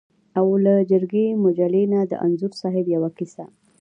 او له جرګې مجلې نه د انځور صاحب یوه کیسه.